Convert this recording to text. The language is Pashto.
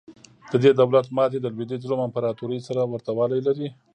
د دې دولت ماتې د لوېدیځ روم امپراتورۍ سره ورته والی لري.